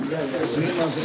すいません。